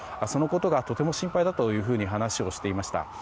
そのことがとても心配だと話をしていました。